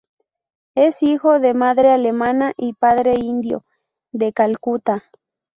Es hijo de madre alemana y padre indio, de Calcuta.